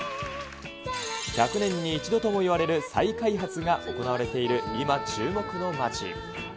１００年に一度ともいわれる再開発が行われている、今注目の街。